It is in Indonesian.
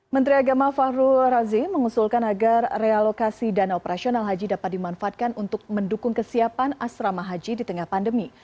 menteri agama fahrul razi mengusulkan agar realokasi dana operasional haji dapat dimanfaatkan untuk mendukung kesiapan asrama haji di tengah pandemi